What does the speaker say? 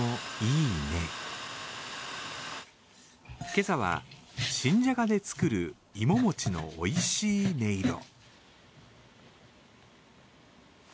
今朝は新じゃがで作るいももちのおいしい音色。